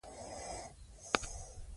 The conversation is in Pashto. دا کار بشپړېږي.